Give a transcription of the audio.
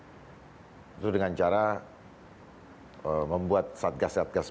itu dengan cara membuat satgas satgas pemudara